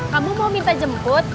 kamu mau minta jemput